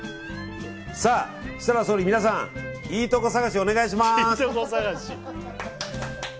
さあ設楽総理、皆さんいいとこ探し、お願いします。